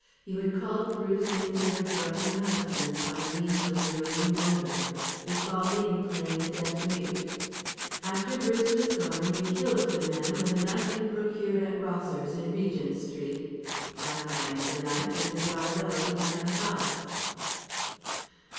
You had called Bruce in to your drunken husband by means of your new motor, with Balmayne playing the deaf mute. After Bruce was gone you killed the man with a knife you procured at Rosser's, in Regent Street. I find the knife in the dry well behind the house."